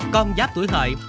con giáp tuổi hợi